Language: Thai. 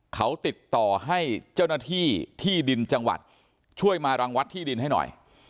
เขาติดต่อให้เจ้าหน้าที่ที่ดินจังหวัดช่วยมารังวัดที่ดินให้หน่อย